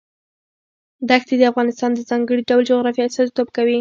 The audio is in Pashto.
دښتې د افغانستان د ځانګړي ډول جغرافیه استازیتوب کوي.